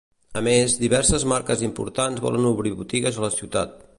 A més, diverses marques importants volen obrir botigues a la ciutat.